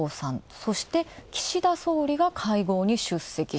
そして岸田総理が会合に出席。